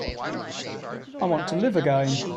I want to live again.